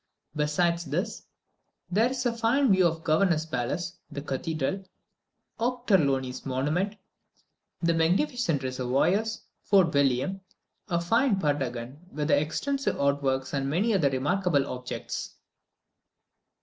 Besides this, there is a fine view of the governor's palace, the cathedral, Ochterlony's monument, the magnificent reservoirs, Fort William, a fine prutagon with extensive outworks, and many other remarkable objects.